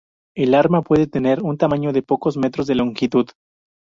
El arma puede tener un tamaño de pocos metros de longitud.